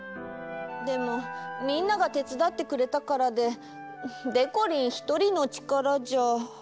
でもみんながてつだってくれたからででこりんひとりのちからじゃ。